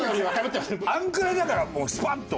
あのくらいだからスパッと。